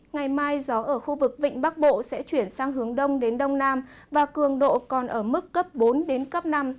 ngày mai gió ở khu vực vịnh bắc bộ sẽ chuyển sang hướng đông đến đông nam và cường độ còn ở mức cấp bốn đến cấp năm